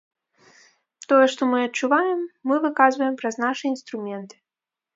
Тое, што мы адчуваем, мы выказваем праз нашы інструменты.